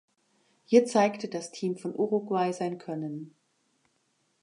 Hier zeigte das Team von Uruguay sein Können.